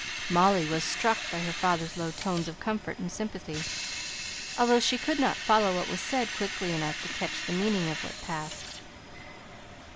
Molly was struck by her father's low tones of comfort and sympathy, although she could not follow what was said quickly enough to catch the meaning of what passed.